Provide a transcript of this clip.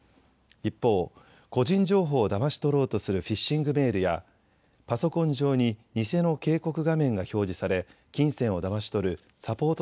一方、個人情報をだまし取ろうとするフィッシングメールやパソコン上に偽の警告画面が表示され金銭をだまし取るサポート